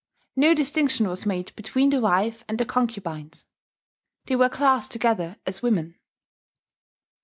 No distinction was made between the wife and the concubines: "they were classed together as 'women.'"